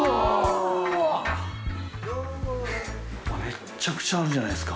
めちゃくちゃあるじゃないですか。